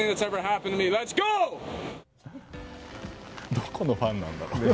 どこのファンなんだろう。